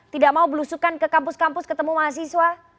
tidak mau belusukan ke kampus kampus ketemu mahasiswa